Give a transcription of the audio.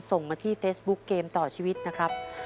ส่งมาที่เฟซบุ๊คเกมต่อชีวิตนะครับ